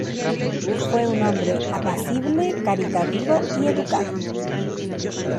Fue un hombre apacible, caritativo y educado.